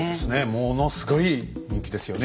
ものすごい人気ですよね。